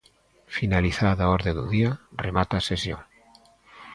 Finalizada a orde do día, remata a sesión.